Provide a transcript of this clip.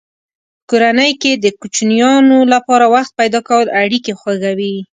په کورنۍ کې د کوچنیانو لپاره وخت پیدا کول اړیکې خوږوي.